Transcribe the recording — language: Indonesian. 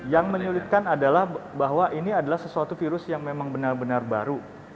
yang menyulitkan adalah bahwa ini adalah sesuatu virus yang memang benar benar baru